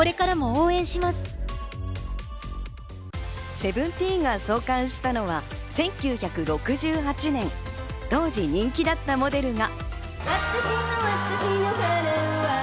『Ｓｅｖｅｎｔｅｅｎ』が創刊したのは１９６８年、当時人気だったモデルが。